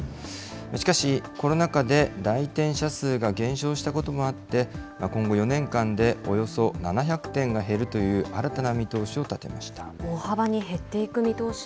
しかし、コロナ禍で来店者数が減少したこともあって、今後４年間でおよそ７００店が減るという新たな見通しを立てまし大幅に減っていく見通し